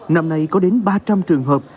năm nay có đến ba trăm linh trường hợp